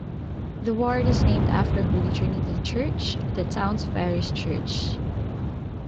The ward is named after Holy Trinity Church, the town's parish church.